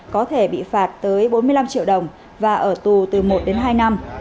có thể bị phạt tới bốn mươi năm triệu đồng và ở tù từ một đến hai năm